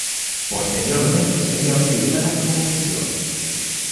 Posteriormente sería utilizada como prisión.